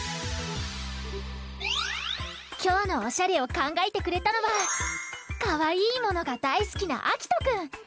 きょうのおしゃれをかんがえてくれたのはかわいいものがだいすきなあきとくん。